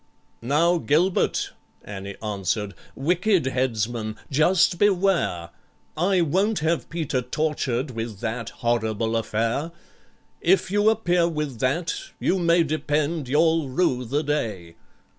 "Now, GILBERT," ANNIE answered, "wicked headsman, just beware— I won't have PETER tortured with that horrible affair; If you appear with that, you may depend you'll rue the day."